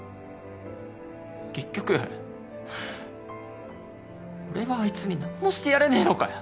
結局俺はあいつに何もしてやれねえのかよ。